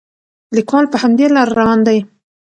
لیکوال په همدې لاره روان دی.